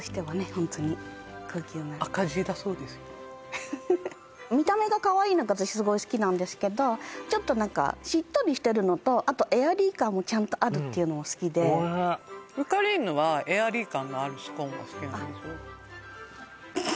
ホントに高級な見た目がカワイイのが私すごい好きなんですけどちょっと何かしっとりしてるのとあとエアリー感もちゃんとあるっていうのも好きでゆかりーぬはエアリー感のあるスコーンが好きなんですよ